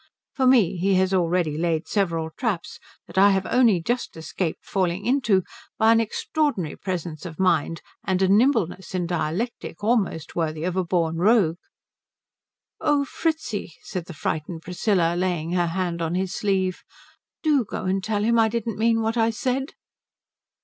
For me he has already laid several traps that I have only just escaped falling into by an extraordinary presence of mind and a nimbleness in dialectic almost worthy of a born rogue." "Oh Fritzi," said the frightened Priscilla, laying her hand on his sleeve, "do go and tell him I didn't mean what I said."